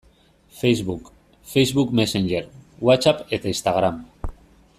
Facebook, Facebook Messenger, Whatsapp eta Instagram.